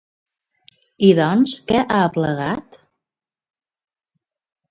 I doncs, què ha aplegat?